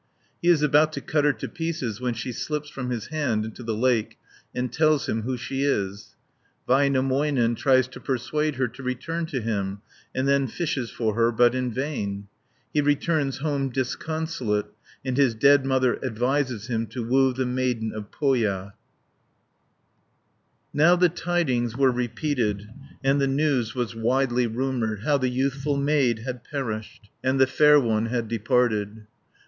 He is about to cut her to pieces when she slips from his hand into the lake, and tells him who she is (73 133). Väinämöinen tries to persuade her to return to him, and then fishes for her, but in vain (134 163). He returns home disconsolate, and his dead mother advises him to woo the Maiden of Pohja (164 241). Now the tidings were repeated, And the news was widely rumoured, How the youthful maid had perished, And the fair one had departed.